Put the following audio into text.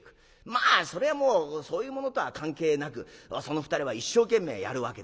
まあそれはもうそういうものとは関係なくその２人は一生懸命やるわけでございます。